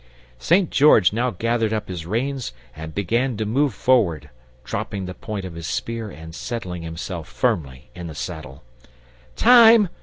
St. George now gathered up his reins and began to move forward, dropping the point of his spear and settling himself firmly in the saddle. "Time!"